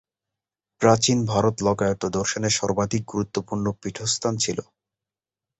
প্রাচীন ভারত লোকায়ত দর্শনের সর্বাধিক গুরুত্বপূর্ণ পীঠস্থান ছিল।